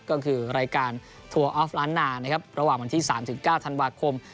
ก็คือรายการทัวร์อฟลานน่านะครับระหว่างวันที่สามสิบเก้าทางบาทคม